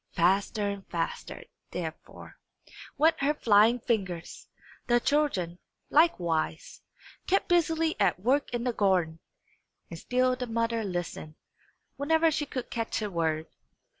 Faster and faster, therefore, went her flying fingers. The children, likewise, kept busily at work in the garden, and still the mother listened, whenever she could catch a word.